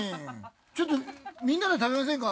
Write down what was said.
ちょっとみんなで食べませんか？